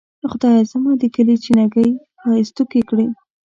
خدایه زما د کلي چینه ګۍ ښائستوکې کړه.